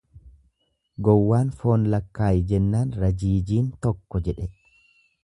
Gowwaan foon lakkaayi jennaan rajiijiin tokko jedhe.